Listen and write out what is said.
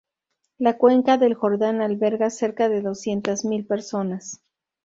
La cuenca del Jordán alberga cerca de doscientas mil personas.